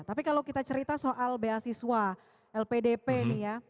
tapi kalau kita cerita soal beasiswa lpdp ini ya